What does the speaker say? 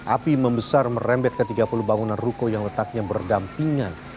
api membesar merembet ke tiga puluh bangunan ruko yang letaknya berdampingan